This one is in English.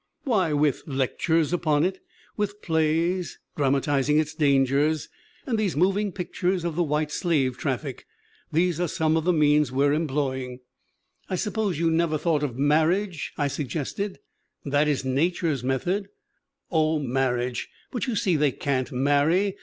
" 'Why with lectures upon it, with plays drama tizing its dangers, and these moving pictures of the white slave traffic. These are some of the means we are employing/ " 'I suppose you never thought of marriage/ I sug gested. 'That is nature's method/ " 'Oh, marriage, but you see they can't marry.